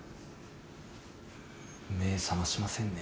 目覚ましませんね。